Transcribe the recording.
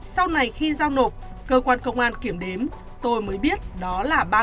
sau này khi giao nộp cơ quan công an kiểm đếm tôi mới biết đó là ba mươi